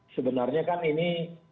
sebenarnya kan ini